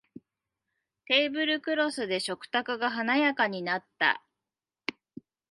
テーブルクロスで食卓が華やかになった